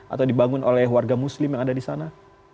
atau dibangun oleh warga muslim yang ada di sana